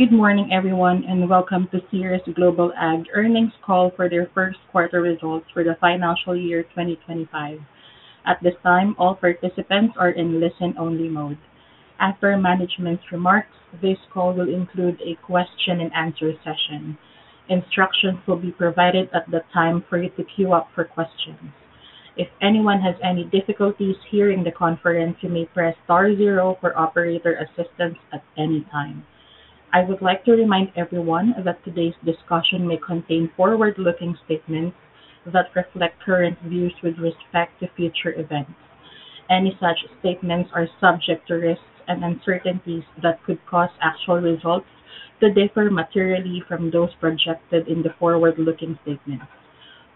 Good morning, everyone, and welcome to Ceres Global Ag earnings call for their first quarter results for the financial year 2025. At this time, all participants are in listen-only mode. After management's remarks, this call will include a question-and-answer session. Instructions will be provided at the time for you to queue up for questions. If anyone has any difficulties hearing the conference, you may press star zero for operator assistance at any time. I would like to remind everyone that today's discussion may contain forward-looking statements that reflect current views with respect to future events. Any such statements are subject to risks and uncertainties that could cause actual results to differ materially from those projected in the forward-looking statements.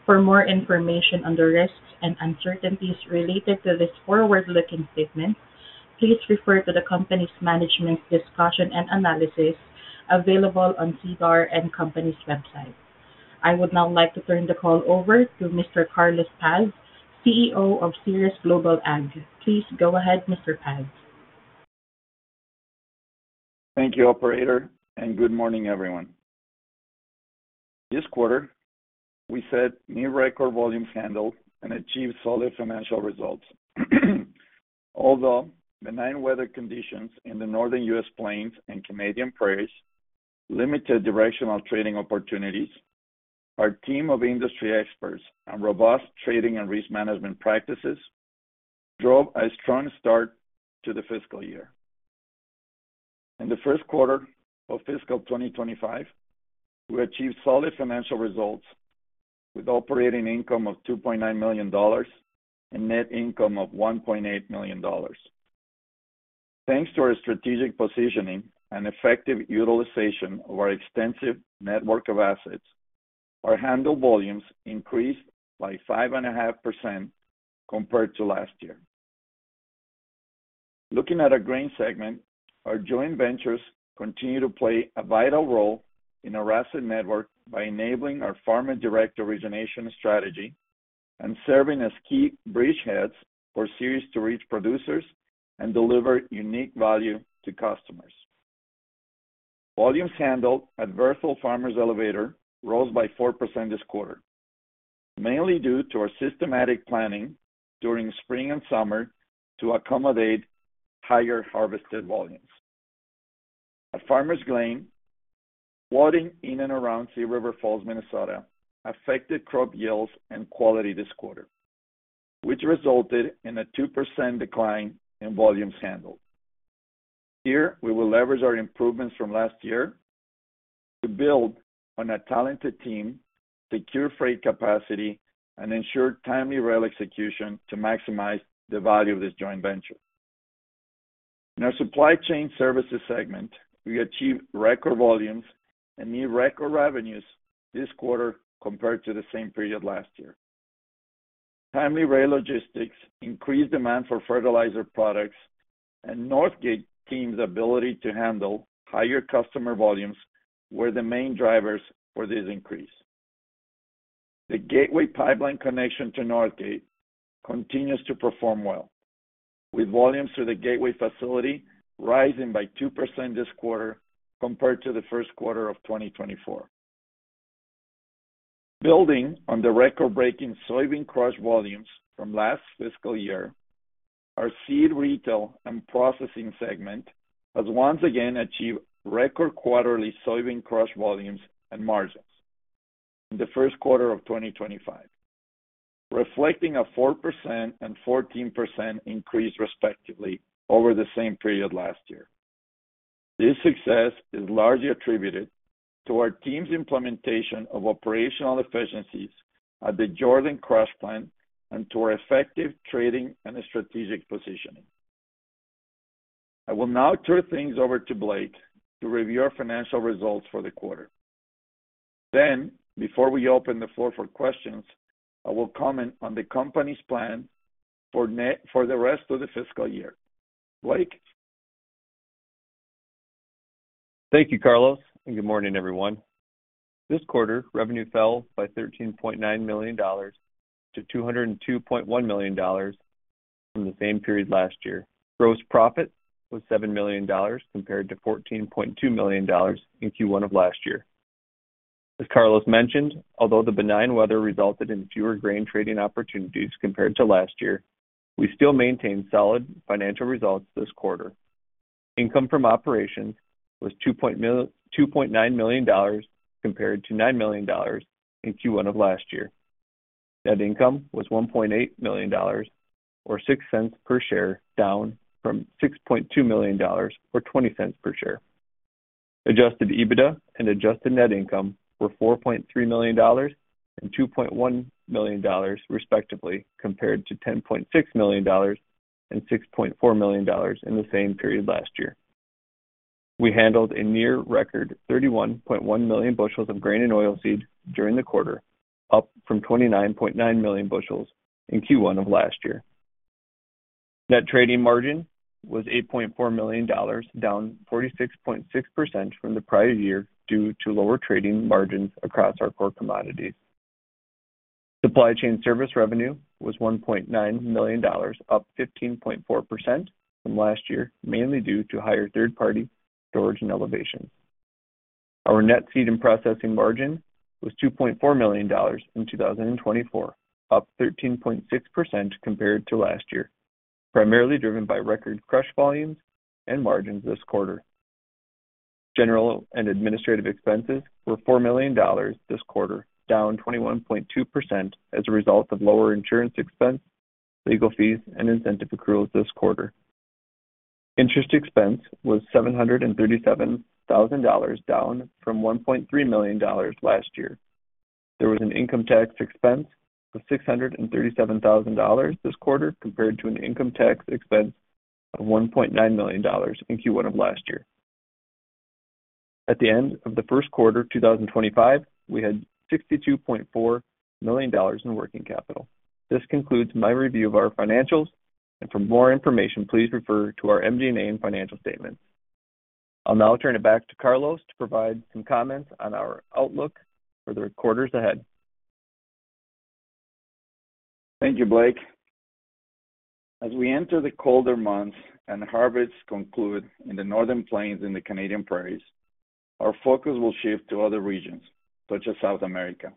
For more information on the risks and uncertainties related to this forward-looking statement, please refer to the company's management's discussion and analysis available on SEDAR and the company's website. I would now like to turn the call over to Mr. Carlos Paz, CEO of Ceres Global Ag. Please go ahead, Mr. Paz. Thank you, Operator, and good morning, everyone. This quarter, we set new record volumes handled and achieved solid financial results. Although benign weather conditions in the Northern Plains and Canadian Prairies limited directional trading opportunities, our team of industry experts and robust trading and risk management practices drove a strong start to the fiscal year. In the first quarter of fiscal 2025, we achieved solid financial results with operating income of $2.9 million and net income of $1.8 million. Thanks to our strategic positioning and effective utilization of our extensive network of assets, our handled volumes increased by 5.5% compared to last year. Looking at our grain segment, our joint ventures continue to play a vital role in our asset network by enabling our farmer-direct origination strategy and serving as key bridgeheads for hard-to-reach producers and delivering unique value to customers. Volumes handled at Berthold Farmers Elevator rose by 4% this quarter, mainly due to our systematic planning during spring and summer to accommodate higher harvested volumes. At Farmers Grain, flooding in and around Thief River Falls, Minnesota, affected crop yields and quality this quarter, which resulted in a 2% decline in volumes handled. Here, we will leverage our improvements from last year to build on a talented team, secure freight capacity, and ensure timely rail execution to maximize the value of this joint venture. In our supply chain services segment, we achieved record volumes and new record revenues this quarter compared to the same period last year. Timely rail logistics, increased demand for fertilizer products, and Northgate team's ability to handle higher customer volumes were the main drivers for this increase. The Gateway pipeline connection to Northgate continues to perform well, with volumes through the Gateway facility rising by 2% this quarter compared to the first quarter of 2024. Building on the record-breaking soybean crush volumes from last fiscal year, our seed retail and processing segment has once again achieved record quarterly soybean crush volumes and margins in the first quarter of 2025, reflecting a 4% and 14% increase respectively over the same period last year. This success is largely attributed to our team's implementation of operational efficiencies at the Jordan crush plant and to our effective trading and strategic positioning. I will now turn things over to Blake to review our financial results for the quarter. Then, before we open the floor for questions, I will comment on the company's plan for the rest of the fiscal year. Blake. Thank you, Carlos, and good morning, everyone. This quarter, revenue fell by $13.9 million to $202.1 million from the same period last year. Gross profit was $7 million compared to $14.2 million in Q1 of last year. As Carlos mentioned, although the benign weather resulted in fewer grain trading opportunities compared to last year, we still maintained solid financial results this quarter. Income from operations was $2.9 million compared to $9 million in Q1 of last year. Net income was $1.8 million, or 6 cents per share, down from $6.2 million, or $0.20 per share. Adjusted EBITDA and adjusted net income were $4.3 million and $2.1 million, respectively, compared to $10.6 million and $6.4 million in the same period last year. We handled a near-record 31.1 million bushels of grain and oilseed during the quarter, up from 29.9 million bushels in Q1 of last year. Net trading margin was $8.4 million, down 46.6% from the prior year due to lower trading margins across our core commodities. Supply chain service revenue was $1.9 million, up 15.4% from last year, mainly due to higher third-party storage and elevators. Our net seed and processing margin was $2.4 million in 2024, up 13.6% compared to last year, primarily driven by record crush volumes and margins this quarter. General and administrative expenses were $4 million this quarter, down 21.2% as a result of lower insurance expense, legal fees, and incentive accruals this quarter. Interest expense was $737,000, down from $1.3 million last year. There was an income tax expense of $637,000 this quarter compared to an income tax expense of $1.9 million in Q1 of last year. At the end of the first quarter of 2025, we had $62.4 million in working capital. This concludes my review of our financials. For more information, please refer to our MD&A and financial statements. I'll now turn it back to Carlos to provide some comments on our outlook for the quarters ahead. Thank you, Blake. As we enter the colder months and harvests conclude in the Northern Plains and the Canadian Prairies, our focus will shift to other regions, such as South America.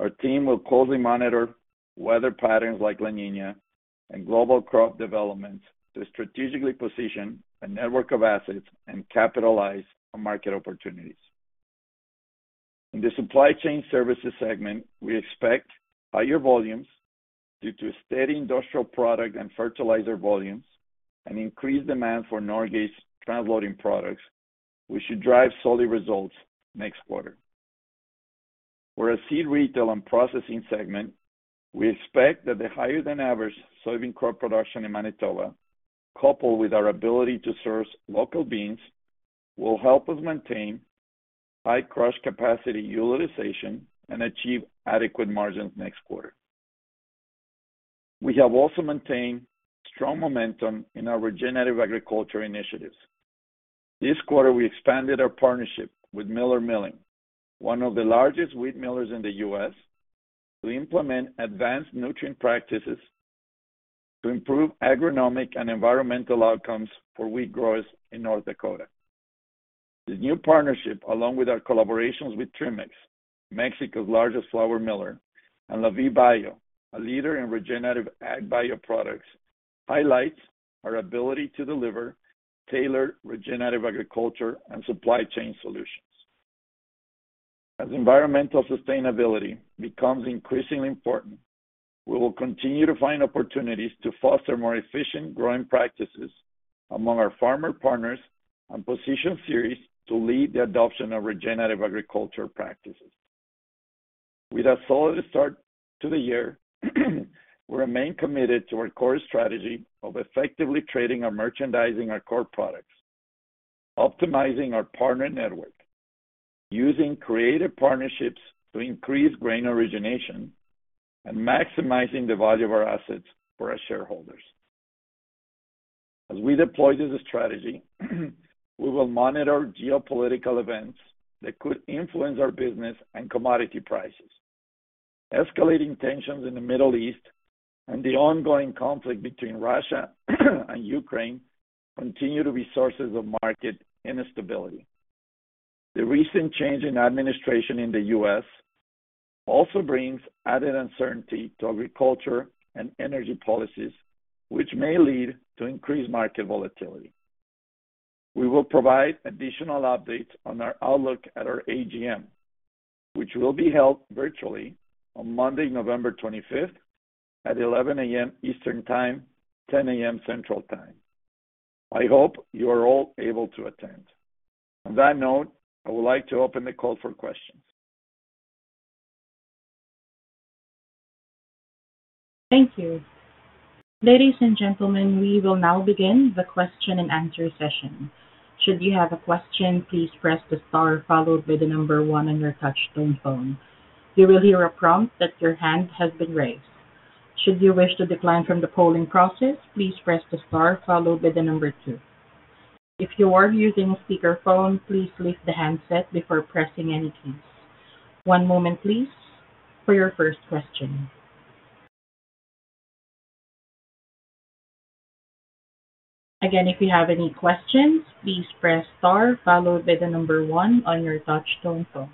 Our team will closely monitor weather patterns like La Niña and global crop developments to strategically position a network of assets and capitalize on market opportunities. In the supply chain services segment, we expect higher volumes due to steady industrial product and fertilizer volumes and increased demand for Northgate's transloading products, which should drive solid results next quarter. For our seed retail and processing segment, we expect that the higher-than-average soybean crop production in Manitoba, coupled with our ability to source local beans, will help us maintain high crush capacity utilization and achieve adequate margins next quarter. We have also maintained strong momentum in our regenerative agriculture initiatives. This quarter, we expanded our partnership with Miller Milling, one of the largest wheat millers in the U.S., to implement advanced nutrient practices to improve agronomic and environmental outcomes for wheat growers in North Dakota. This new partnership, along with our collaborations with Grupo Trimex, Mexico's largest flour miller, and Lavie Bio, a leader in regenerative ag bio products, highlights our ability to deliver tailored regenerative agriculture and supply chain solutions. As environmental sustainability becomes increasingly important, we will continue to find opportunities to foster more efficient growing practices among our farmer partners and position Ceres to lead the adoption of regenerative agriculture practices. With a solid start to the year, we remain committed to our core strategy of effectively trading and merchandising our core products, optimizing our partner network, using creative partnerships to increase grain origination, and maximizing the value of our assets for our shareholders. As we deploy this strategy, we will monitor geopolitical events that could influence our business and commodity prices. Escalating tensions in the Middle East and the ongoing conflict between Russia and Ukraine continue to be sources of market instability. The recent change in administration in the U.S. also brings added uncertainty to agriculture and energy policies, which may lead to increased market volatility. We will provide additional updates on our outlook at our AGM, which will be held virtually on Monday, November 25th, at 11:00 A.M. Eastern Time, 10:00 A.M. Central Time. I hope you are all able to attend. On that note, I would like to open the call for questions. Thank you. Ladies and gentlemen, we will now begin the question-and-answer session. Should you have a question, please press the star followed by the number one on your touch-tone phone. You will hear a prompt that your hand has been raised. Should you wish to decline from the polling process, please press the star followed by the number two. If you are using a speakerphone, please lift the handset before pressing any keys. One moment, please, for your first question. Again, if you have any questions, please press star followed by the number one on your touch-tone phone.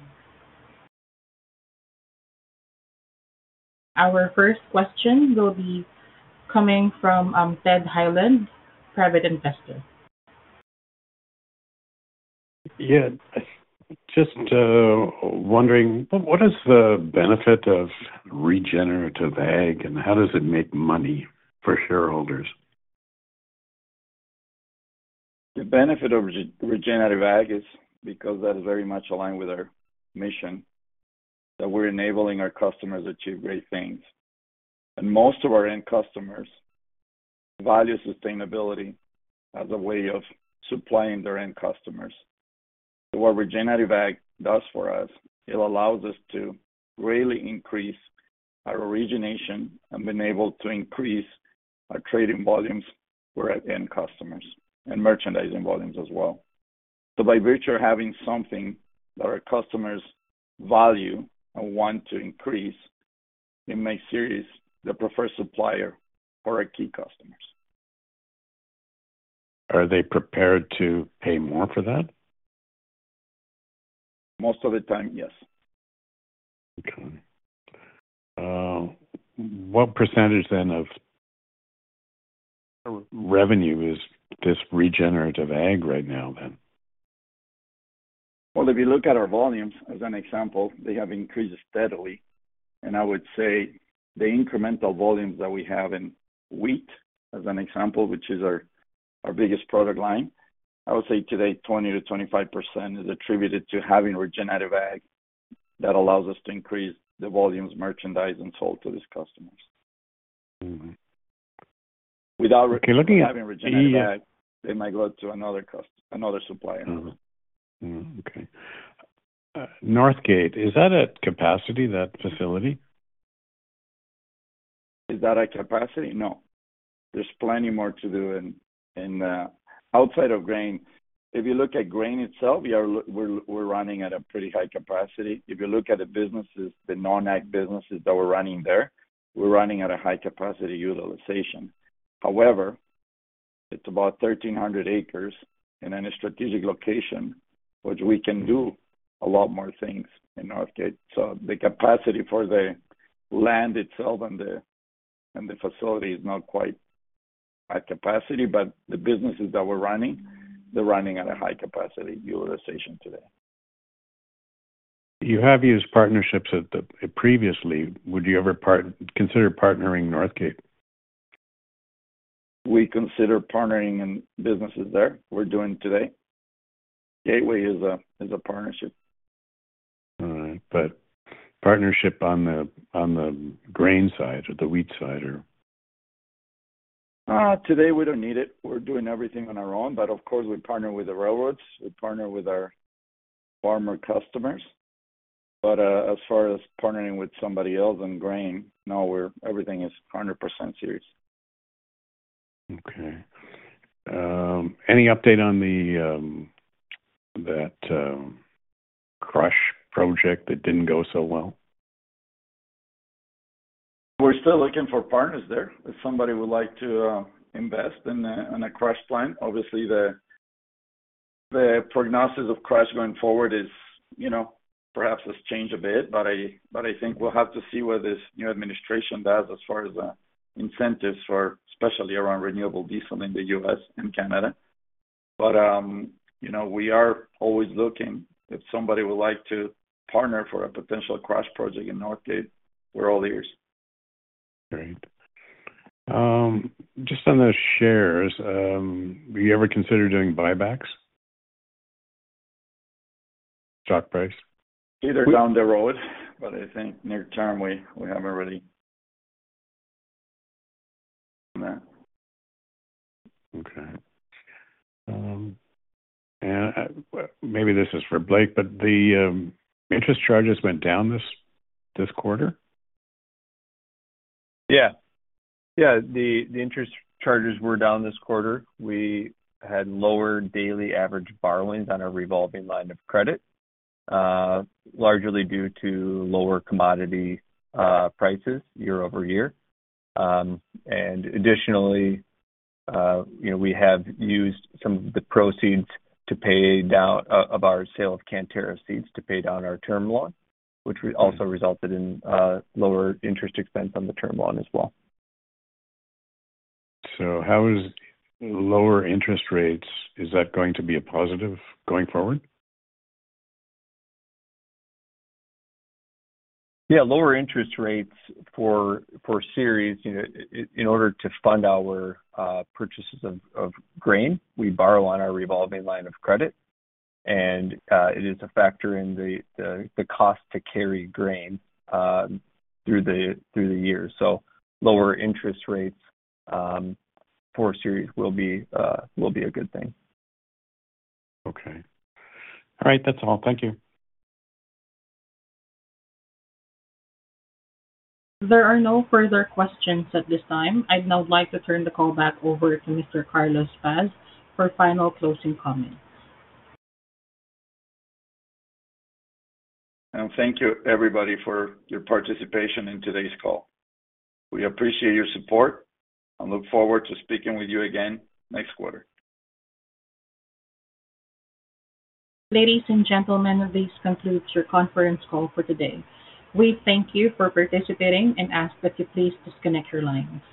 Our first question will be coming from Ted Hyland, private investor. Yeah, just wondering, what is the benefit of regenerative ag, and how does it make money for shareholders? The benefit of regenerative ag is because that is very much aligned with our mission, that we're enabling our customers to achieve great things. Most of our end customers value sustainability as a way of supplying their end customers. What regenerative ag does for us, it allows us to greatly increase our origination and been able to increase our trading volumes for our end customers and merchandising volumes as well. By virtue of having something that our customers value and want to increase, it makes Ceres the preferred supplier for our key customers. Are they prepared to pay more for that? Most of the time, yes. Okay. What percentage, then, of revenue is this regenerative ag right now, then? If you look at our volumes, as an example, they have increased steadily. I would say the incremental volumes that we have in wheat, as an example, which is our biggest product line, I would say today 20%-25% is attributed to having regenerative ag that allows us to increase the volumes, merchandise, and sold to these customers. Okay. Looking at if we, they might go to another supplier. Okay. Northgate, is that at capacity, that facility? Is that at capacity? No. There's plenty more to do. And outside of grain, if you look at grain itself, we're running at a pretty high capacity. If you look at the businesses, the non-ag businesses that we're running there, we're running at a high capacity utilization. However, it's about 1,300 acres in a strategic location, which we can do a lot more things in Northgate. So the capacity for the land itself and the facility is not quite at capacity, but the businesses that we're running, they're running at a high capacity utilization today. You have used partnerships previously. Would you ever consider partnering Northgate? We consider partnering in businesses there. We're doing today. Gateway is a partnership. All right. But partnership on the grain side or the wheat side or? Today, we don't need it. We're doing everything on our own. But of course, we partner with the railroads. We partner with our farmer customers. But as far as partnering with somebody else in grain, no, everything is 100% Ceres. Okay. Any update on that crush project that didn't go so well? We're still looking for partners there, if somebody would like to invest in a crush plant. Obviously, the prognosis of crush going forward is perhaps has changed a bit, but I think we'll have to see what this new administration does as far as incentives for especially around renewable diesel in the U.S. and Canada, but we are always looking. If somebody would like to partner for a potential crush project in Northgate, we're all ears. Great. Just on the shares, have you ever considered doing buybacks? Stock price? Either down the road, but I think near-term, we haven't really done that. Okay, and maybe this is for Blake, but the interest charges went down this quarter? Yeah. Yeah. The interest charges were down this quarter. We had lower daily average borrowings on our revolving line of credit, largely due to lower commodity prices year over year. And additionally, we have used some of the proceeds from our sale of Cantera Seeds to pay down our term loan, which also resulted in lower interest expense on the term loan as well. So how is lower interest rates? Is that going to be a positive going forward? Yeah. Lower interest rates for Ceres. In order to fund our purchases of grain, we borrow on our revolving line of credit, and it is a factor in the cost to carry grain through the year, so lower interest rates for Ceres will be a good thing. Okay. All right. That's all. Thank you. There are no further questions at this time. I'd now like to turn the call back over to Mr. Carlos Paz for final closing comments. Thank you, everybody, for your participation in today's call. We appreciate your support and look forward to speaking with you again next quarter. Ladies and gentlemen, this concludes your conference call for today. We thank you for participating and ask that you please disconnect your lines.